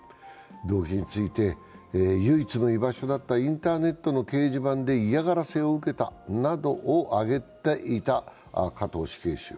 動機について、唯一の居場所だったインターネットの掲示板で嫌がらせを受けたなどを挙げていた加藤死刑囚。